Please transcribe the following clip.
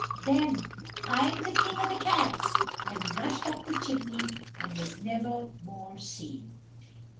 then I'm the King o' the Cats!" and rushed up the chimney and was never more seen.